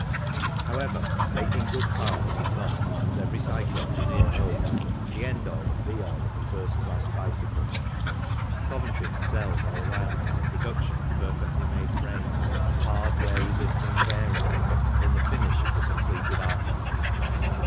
However, making good parts is not, as every cycle engineer knows, the end all and be all of a first class bicycle. Coventry excelled all round in the production of perfectly made frames, hard, wear resisting bearings, and in the finish of the completed article.